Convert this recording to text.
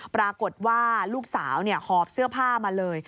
ปรากฏว่าลูกสาวหอบเสื้อผ้ามาเลย